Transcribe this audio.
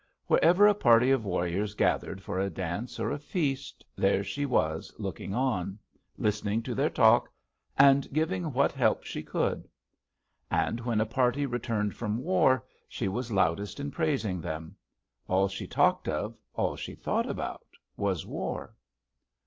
Wherever a party of warriors gathered for a dance or a feast, there she was looking on, listening to their talk, and giving what help she could. And when a party returned from war, she was loudest in praising them. All she talked of, all she thought about, was war.